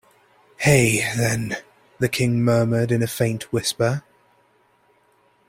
‘Hay, then,’ the King murmured in a faint whisper.